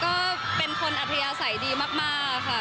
ก็เป็นคนอัธยาศัยดีมากค่ะ